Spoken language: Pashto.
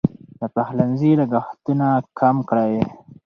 د پخلنځي لګښتونه کم کړئ.